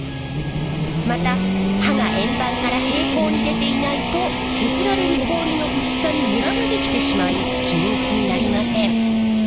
また刃が円盤から平行に出ていないと削られる氷のうすさにムラができてしまい均一になりません。